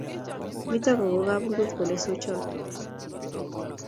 Mito kogo kapungot kole sochot